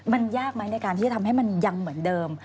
มันยากไหมในการที่จะทำให้มันยังเหมือนเดิม